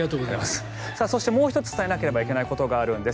そして、もう１つ伝えないといけないことがあるんです。